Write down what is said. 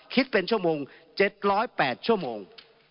คิดเป็นชั่วโมง๗๐๘ชั่วโมง